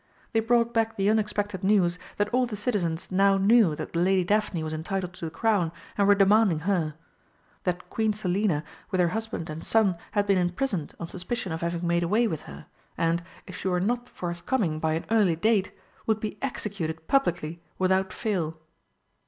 They brought back the unexpected news that all the citizens now knew that the Lady Daphne was entitled to the Crown and were demanding her; that Queen Selina, with her husband and son, had been imprisoned on suspicion of having made away with her, and, if she were not forthcoming by an early date, would be executed publicly without fail.